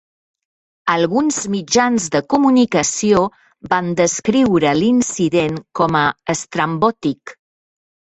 Alguns mitjans de comunicació van descriure l'incident com a "estrambòtic".